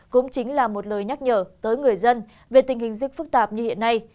cũng chính là một lời nhắc nhở tới người dân về tình hình dịch phức tạp như hiện nay